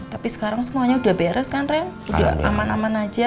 tapi sekarang semuanya udah beres kan ren udah aman aman aja